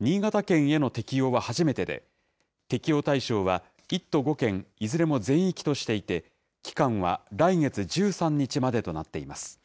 新潟県への適用は初めてで、適用対象は、１都５県いずれも全域としていて、期間は来月１３日までとなっています。